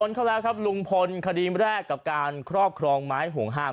เข้าแล้วครับลุงพลคดีแรกกับการครอบครองไม้ห่วงห้าม